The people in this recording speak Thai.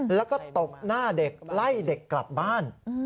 แล้วก็ตบหน้าเด็กไล่เด็กกลับบ้าน